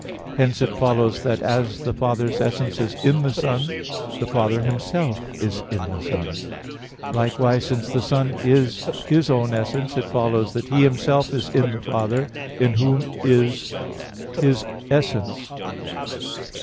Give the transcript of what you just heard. Hence it follows that as the Father's essence is in the Son, the Father Himself is in the Son; likewise, since the Son is His own essence, it follows that He Himself is in the Father in Whom is His essence.